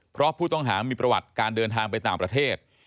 เพราะผู้ต้องหามีประวัติการเดินทางไปต่างประเทศ